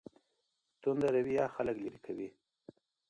تنده رویه خلګ لیرې کوي.